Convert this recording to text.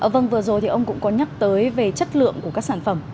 vâng vừa rồi thì ông cũng có nhắc tới về chất lượng của các sản phẩm